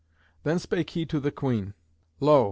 Then spake he to the queen, "Lo!